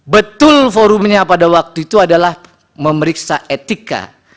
betul forumnya pada waktu itu adalah memeriksa etika